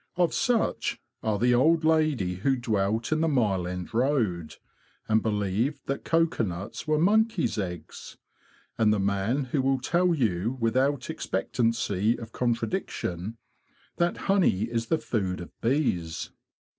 Of such are the old lady who dwelt in the Mile End Road, and believed that cocoanuts were monkeys' eggs, and the man who will tell you without expectancy of contradiction that honey is the food of bees.